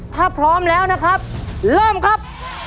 ถ้าพร้อมแล้วนะครับเริ่มครับ